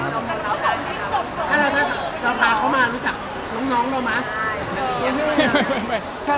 ถ้าเราพาเขามารู้จักน้องเรามา